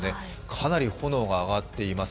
かなり炎が上がっています。